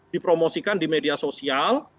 dipromosikan di media sosial